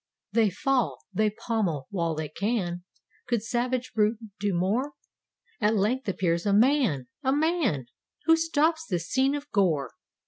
They fall. They pommel while they can— Could savage brute do more ? At length appears a man! a man I Who stops this scene of gore.